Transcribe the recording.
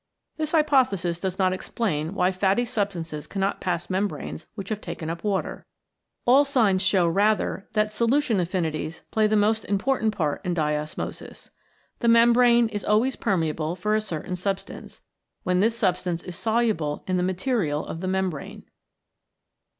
This hypothesis does not explain why fatty substances cannot pass mem branes which have taken up water. All signs show rather that solution affinities play the most important part in diosmosis. The membrane is always permeable for a certain substance, when this substance is soluble in the material of the membrane.